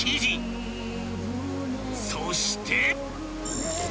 ［そして］